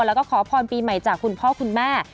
แล้วก็ขอพรปีใหม่จากคุณพ่อคุณแม่